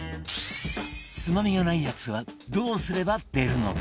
つまみがないやつはどうすれば出るのか？